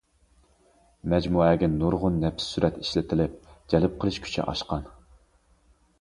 مەجمۇئەگە نۇرغۇن نەپىس سۈرەت ئىشلىتىلىپ جەلپ قىلىش كۈچى ئاشقان.